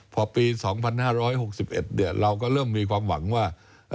พอปี๒๕๖๑เราก็เริ่มมีความหวังว่า